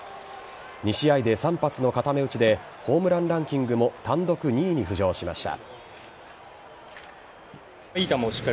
２試合で３発の固め打ちでホームランランキングも単独２位に浮上しました。